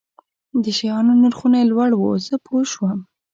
د شیانو نرخونه یې لوړ وو، زه پوه شوم.